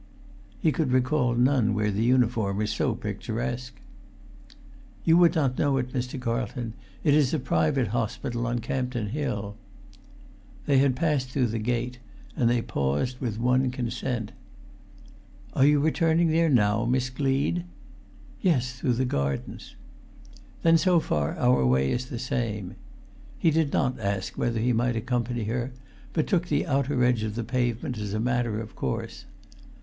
He could recall none where the uniform was so picturesque. "You would not know it, Mr. Carlton; it is a private hospital on Campden Hill." They had passed through the gate, and they paused with one consent. "Are you returning there now, Miss Gleed?" "Yes—through the gardens." "Then so far our way is the same." He did not ask whether he might accompany her, but took the outer edge of the pavement as a matter of course.